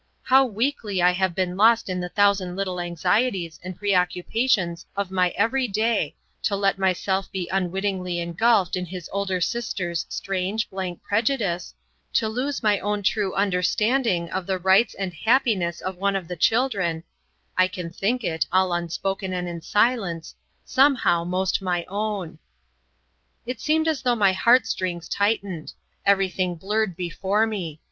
How weakly I had been lost in the thousand little anxieties and preoccupations of my every day, to let myself be unwittingly engulfed in his older sister's strange, blank prejudice, to lose my own true understanding of the rights and the happiness of one of the children I can think it, all unspoken and in silence somehow most my own. It seemed as though my heartstrings tightened. Everything blurred before me.